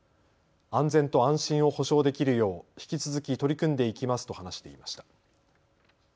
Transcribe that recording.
安全と安心を保障できるよう引き続き取り組んでいきますと話していました。